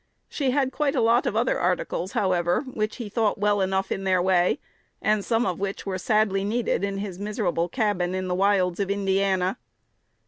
She had quite a lot of other articles, however, which he thought well enough in their way, and some of which were sadly needed in his miserable cabin in the wilds of Indiana.